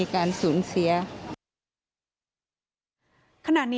ท่านผู้ชมครับ